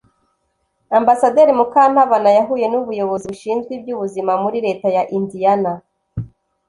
Ambasaderi Mukantabana yahuye n’ubuyobozi bushinzwe iby’ubuzima muri Leta ya Indiana